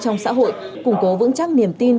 trong xã hội củng cố vững chắc niềm tin